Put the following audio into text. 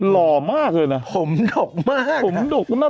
รอมากเลยนะ